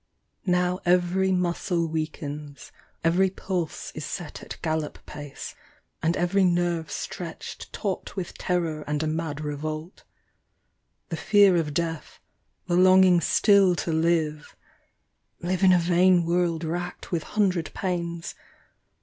Now every muscle weakens, every pulse Is set at gallop pace, and every nerve Stretched t.uit with terror and a mad revolt. The fear of death, the longing still to live, — Live in a vain world racked with hundred pains.